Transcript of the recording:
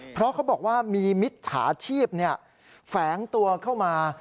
เพราะเขาบอกว่ามีมิจฉาชีพแฝงตัวเข้ามา